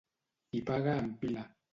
Qui paga empila.